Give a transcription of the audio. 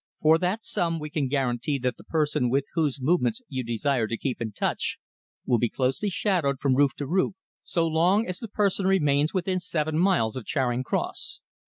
For that sum we can guarantee that the person with whose movements you desire to keep in touch will be closely shadowed from roof to roof, so long as the person remains within seven miles of Charing Cross.